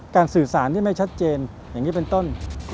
สื่อสารที่ไม่ชัดเจนอย่างนี้เป็นต้น